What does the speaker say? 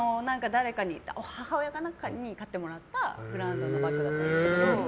母親か誰かに買ってもらったブランドのバッグなんですけど。